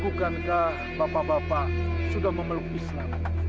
bukankah bapak bapak sudah memeluk islam